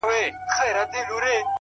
او په خمارو ماښامونو کي به ځان ووينم!!